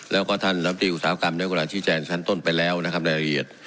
แล้วก็ท่านนับดีอุตสาวกรรมเนื้อกลางชีวิตแจนชั้นต้นไปแล้วนะครับในละเอียด